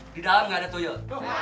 di dalam tidak ada tuyul